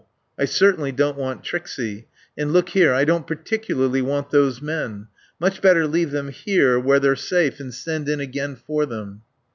I certainly don't want Trixie.... And look here, I don't particularly want those men. Much better leave them here where they're safe and send in again for them."